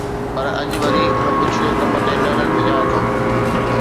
پر اڄ وري ان بڇڙي ڪم تي لعنت وجهان ٿو